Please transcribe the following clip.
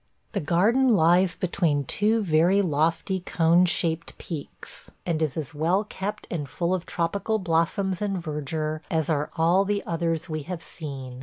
The garden lies between two very lofty cone shaped peaks and is as well kept and full of tropical blossoms and verdure as are all the others we have seen.